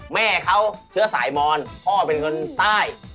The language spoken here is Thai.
๑ใน๓หมายเลขนี้